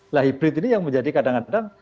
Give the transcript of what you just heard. nah hibrit ini yang menjadi kadang kadang tidak